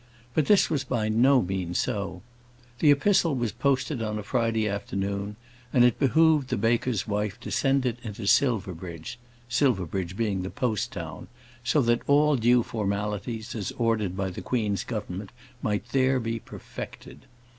But this was by no means so. The epistle was posted on a Friday afternoon, and it behoved the baker's wife to send it into Silverbridge Silverbridge being the post town so that all due formalities, as ordered by the Queen's Government, might there be perfected.